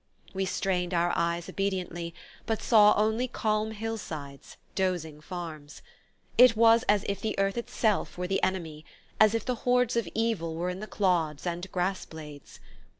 _" We strained our eyes obediently, but saw only calm hillsides, dozing farms. It was as if the earth itself were the enemy, as if the hordes of evil were in the clods and grass blades.